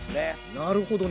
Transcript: なるほどね。